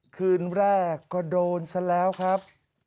คืนแรกก็โดนซะแล้วครับ